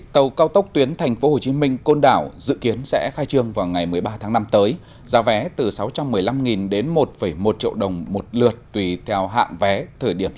tàu cao tốc tuyến tp hcm côn đảo dự kiến sẽ khai trương vào ngày một mươi ba tháng năm tới giá vé từ sáu trăm một mươi năm đến một một triệu đồng một lượt tùy theo hạn vé